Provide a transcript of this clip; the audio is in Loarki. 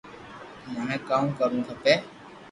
مني ڪاو ڪرووُ کپي